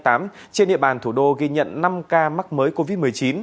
trên địa bàn thủ đô ghi nhận năm ca mắc mới covid một mươi chín